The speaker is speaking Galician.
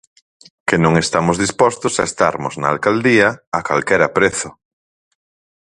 Que non estamos dispostos a estarmos na Alcaldía a calquera prezo.